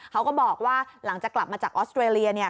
เขาก็บอกว่าหลังจากกลับมาจากออสเตรเลียเนี่ย